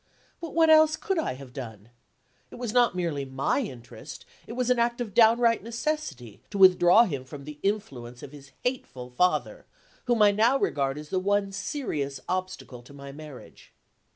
But what else could I have done? It was not merely my interest, it was an act of downright necessity, to withdraw him from the influence of his hateful father whom I now regard as the one serious obstacle to my marriage.